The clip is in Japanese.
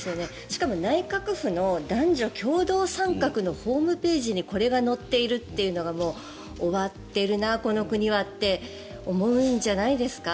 しかも内閣府の男女共同参画のホームページにこれが載っているというのが終わっているなこの国はって思うんじゃないですか。